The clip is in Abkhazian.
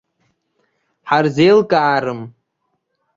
Ҳарзеилкаарым.